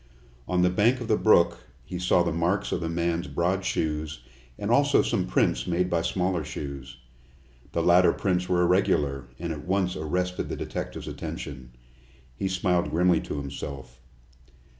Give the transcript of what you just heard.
On the bank of the brook he saw the marks of the man's broad shoes and also some prints made by smaller shoes. The latter prints were irregular, and at once arrested the detective's attention. He smiled grimly to himself.